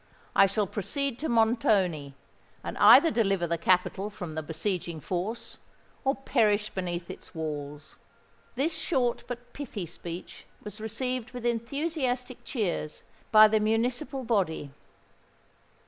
I shall proceed to Montoni, and either deliver the capital from the besieging force, or perish beneath its walls." This short but pithy speech was received with enthusiastic cheers by the municipal body.